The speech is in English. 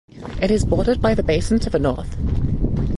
It is bordered by the basin to the north.